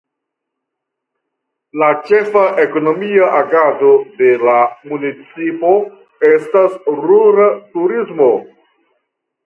La ĉefa ekonomia agado de la municipo estas rura turismo.